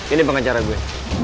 ini pengacara gue